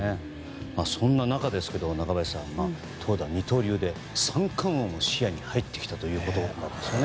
そんな中、中林さん投打二刀流で三冠王も視野に入ってきたということなんですね。